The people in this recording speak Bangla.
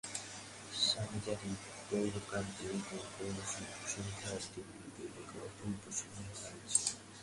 স্বামীজীর গৌরকান্তি এবং গৈরিকবসন সন্ধ্যার দীপালোকে অপূর্ব শোভা ধারণ করিল।